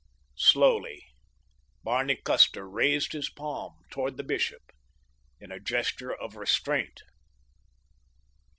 Slowly Barney Custer raised his palm toward the bishop in a gesture of restraint.